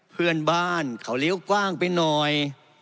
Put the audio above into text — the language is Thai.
เพื่อนบ้านเขาเลี้ยวกว้างไปหน่อย